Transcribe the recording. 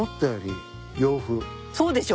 そうでしょ？